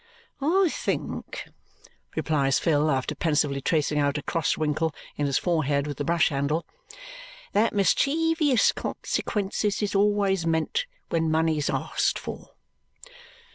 "I think," replies Phil after pensively tracing out a cross wrinkle in his forehead with the brush handle, "that mischeevious consequences is always meant when money's asked for."